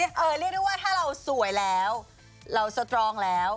เรียกได้ว่าถ้าเราสวยแล้วเราสตรองแล้ว